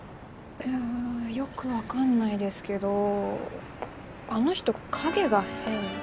んよく分かんないですけどあの人影が変。